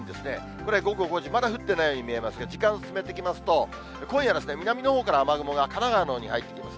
これ、午後５時、まだ降ってないように見えますが、時間進めていきますと、今夜南のほうから雨雲が神奈川のほうに入ってきます。